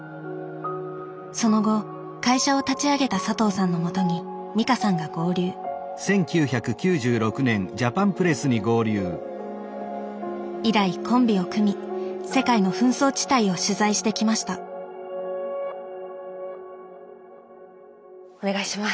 その後会社を立ち上げた佐藤さんのもとに美香さんが合流以来コンビを組み世界の紛争地帯を取材してきましたお願いします。